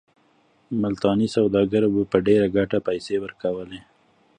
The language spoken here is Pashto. ملتاني سوداګرو به په ډېره ګټه پیسې ورکولې.